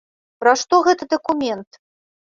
Пра што гэты дакумент?